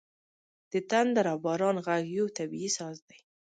• د تندر او باران ږغ یو طبیعي ساز دی.